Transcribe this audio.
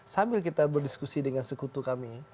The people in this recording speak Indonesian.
sambil kita berdiskusi dengan sekutu kami